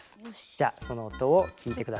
じゃその音を聞いて下さい。